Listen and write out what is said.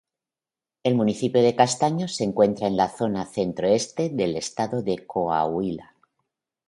El municipio de Castaños se encuentra en la zona centro-este del estado de Coahuila.